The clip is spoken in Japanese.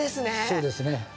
そうですね。